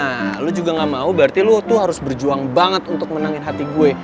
nah lu juga gak mau berarti lo tuh harus berjuang banget untuk menangin hati gue